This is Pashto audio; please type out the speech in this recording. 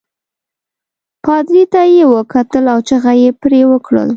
پادري ته یې وکتل او چغه يې پرې وکړل.